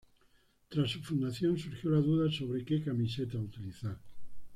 Tras su fundación surgió la duda sobre que camiseta utilizar.